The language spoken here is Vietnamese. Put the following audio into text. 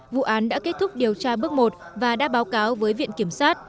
vụ án đã kết thúc điều tra bước một và đã báo cáo với viện kiểm sát